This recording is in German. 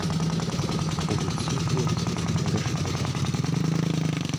Produziert wurde sie von Helge Schneider.